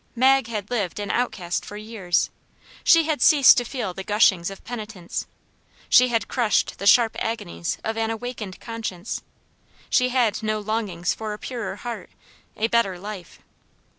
Mag had lived an outcast for years. She had ceased to feel the gushings of penitence; she had crushed the sharp agonies of an awakened conscience. She had no longings for a purer heart, a better life.